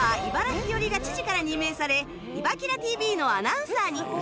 ひよりが知事から任命されいばキラ ＴＶ のアナウンサーに